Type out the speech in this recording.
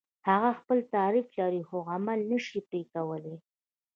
هغه خپل تعریف لري خو عمل نشي پرې کولای.